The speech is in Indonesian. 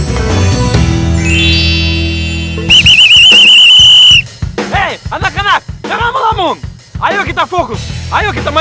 kalo masalah kacauan masih udah geli mah